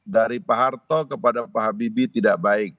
dari pak harto kepada pak habibie tidak baik